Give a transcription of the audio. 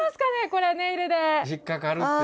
これネイルで。